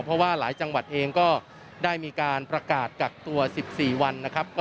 เพราะว่าหลายจังหวัดเองก็ได้มีการประกาศกักตัว๑๔วันนะครับ